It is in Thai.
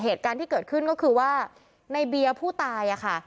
เหตุการณ์ที่เกิดขึ้นก็คือว่าในเบียร์ผู้ตายอะค่ะ